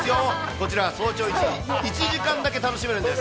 こちら、早朝１時間だけ楽しめるんです。